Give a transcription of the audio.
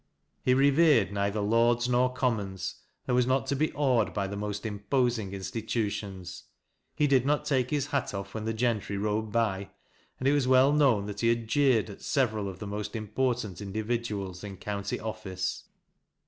He revered neither Lords nor Commons, and was not to be awed by the most imposing institutions. He did not take his hat off when the gentry rode by, and it was well known that he had jeered at several of the most important individuals in county office.